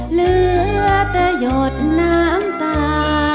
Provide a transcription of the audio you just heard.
เหลือแต่หยดน้ำตา